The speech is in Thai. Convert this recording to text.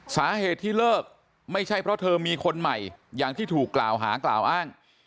สาเหตุที่เลิกไม่ใช่เพราะเธอมีคนใหม่อย่างที่ถูกกล่าวหากล่าวอ้าง